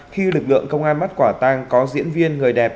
khi lực lượng công an bắt quả tang có diễn viên người đẹp